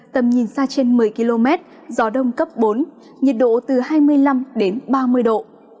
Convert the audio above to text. tầm nhìn xa trên một mươi km gió đông cấp bốn nhiệt độ từ hai mươi năm đến ba mươi độ